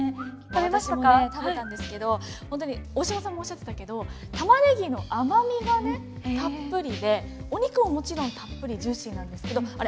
私も食べたんですけど本当に大島さんもおっしゃってたけどタマネギの甘味がねたっぷりでお肉はもちろんたっぷりジューシーなんですけどあれ